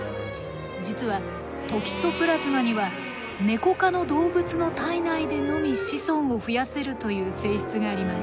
実はトキソプラズマにはネコ科の動物の体内でのみ子孫を増やせるという性質があります。